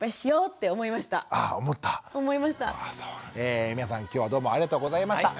え皆さん今日はどうもありがとうございました。